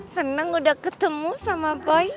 seneng udah ketemu sama boy